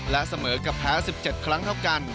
และเสมอกับแพ้๑๗ครั้งเท่ากัน